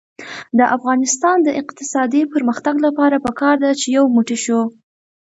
د افغانستان د اقتصادي پرمختګ لپاره پکار ده چې یو موټی شو.